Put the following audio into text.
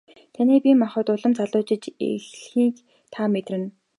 Таны бие махбод улам залуужиж эхлэхийг та мэдэрнэ.